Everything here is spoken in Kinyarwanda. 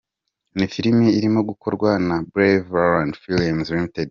Ni filimi irimo gukorwa na Braveland films Ltd.